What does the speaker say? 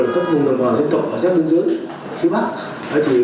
các nội chú các vùng đồng hòa dân tộc ở các biên giới phía bắc